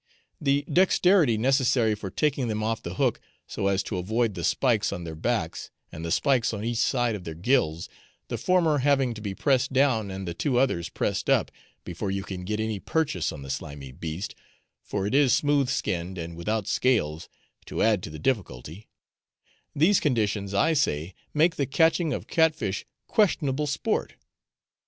The dexterity necessary for taking them off the hook so as to avoid the spikes on their backs, and the spikes on each side of their gills, the former having to be pressed down, and the two others pressed up, before you can get any purchase on the slimy beast (for it is smooth skinned and without scales, to add to the difficulty) these conditions, I say, make the catching of cat fish questionable sport.